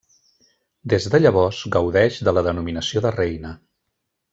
Des de llavors gaudeix de la denominació de reina.